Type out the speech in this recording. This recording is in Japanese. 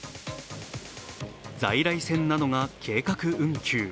在来線などが計画運休。